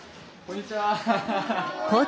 こんにちは。